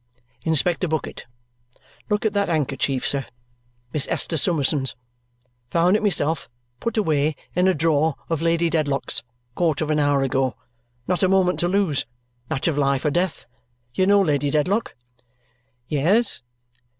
Inspector Bucket. Look at that handkerchief, sir, Miss Esther Summerson's. Found it myself put away in a drawer of Lady Dedlock's, quarter of an hour ago. Not a moment to lose. Matter of life or death. You know Lady Dedlock?" "Yes."